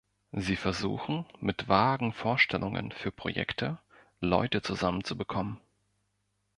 Sie versuchen, mit vagen Vorstellungen für Projekte Leute zusammen zu bekommen.